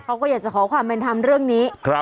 เขาก็อยากจะขอความเป็นธรรมเรื่องนี้